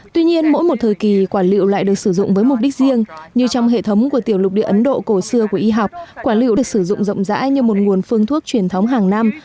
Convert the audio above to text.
tuy nhiên mỗi một thời kỳ quả liệu lại được sử dụng với mục đích riêng như trong hệ thống của tiểu lục địa ấn độ cổ xưa của y học quả liệu được sử dụng rộng rãi như một nguồn phương thuốc truyền thống hàng năm